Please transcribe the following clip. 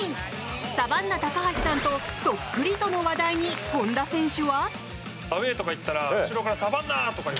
サバンナ高橋さんとそっくりとの話題に権田選手は。